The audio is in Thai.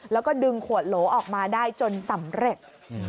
แล้วก็ดึงขวดโหลออกมาได้จนสำเร็จ